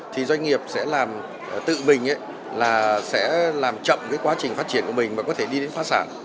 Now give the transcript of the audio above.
thì doanh nghiệp sẽ làm tự mình là sẽ làm chậm cái quá trình phát triển của mình và có thể đi đến phát sản